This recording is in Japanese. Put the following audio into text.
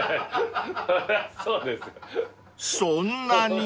そんなに？